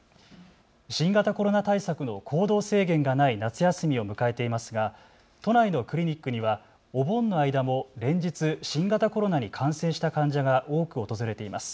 新型コロナ対策の行動制限がない夏休みを迎えていますが都内のクリニックにはお盆の間も連日、新型コロナに感染した患者が多く訪れています。